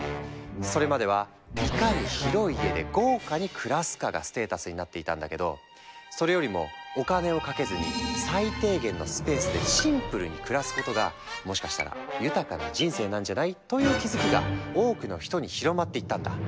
それまではいかに広い家で豪華に暮らすかがステータスになっていたんだけどそれよりもお金をかけずに最低限のスペースでシンプルに暮らすことがもしかしたら豊かな人生なんじゃない？という気付きが多くの人に広まっていったんだ。